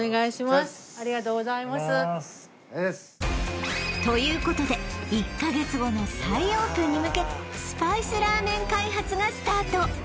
ありがとうございますありがとうございますということで１か月後の再オープンに向けスパイスラーメン開発がスタート